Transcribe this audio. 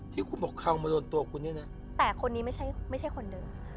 ที่คุณบอกเขามาโดนตัวคุณเนี่ยนะแต่คนนี้ไม่ใช่ไม่ใช่คนหนึ่ง